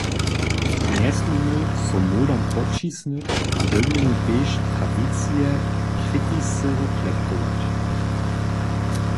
Njesměmy so modam podćisnyć a dyrbimy tež tradicije kritisce reflektować.